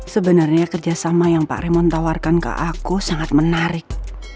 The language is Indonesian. sebenarnya kerjasama yang pak remon tawarkan ke aku sangat menarik